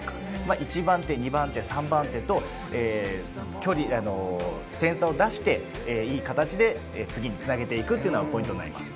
１番手、２番手、３番手と、点差を出して、いい形で次につなげていくというのがポイントになります。